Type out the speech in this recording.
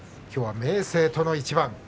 きょうは明生との一番。